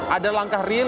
ada langkah real